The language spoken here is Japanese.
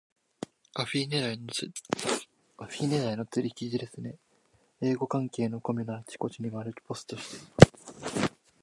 アフィ狙いの釣り記事ですね。英語関係のコミュのあちこちにマルチポストしています。